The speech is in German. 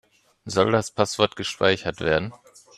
Soll das Passwort gespeichert werden?